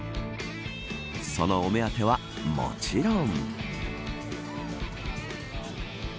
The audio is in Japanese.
そのお目当てはもちろん。